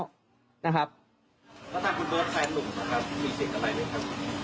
แล้วตามคุณเบิร์ตใครหนุ่มครับ